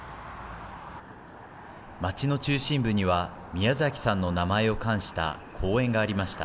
街の中心部には、宮崎さんの名前を冠した公園がありました。